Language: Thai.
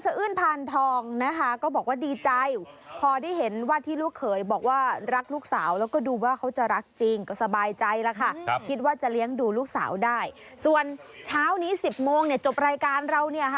สองข้างด้วยสองข้างด้วยสองข้างด้วยสองข้างด้วยสองข้างด้วยสองข้างด้วย